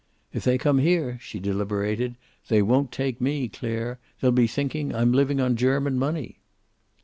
"If they come here," she deliberated, "they won't take me, Clare. They'll be thinking I'm living on German money!"